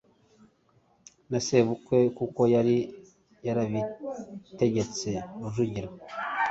na sebukwe kuko yari yarabitegetse Rujugira;